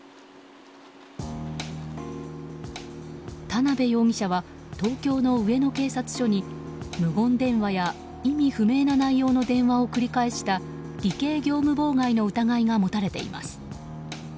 田辺容疑者は東京の上野警察署に無言電話や、意味不明な内容の電話を繰り返した偽計業務妨害の疑いが持たれています。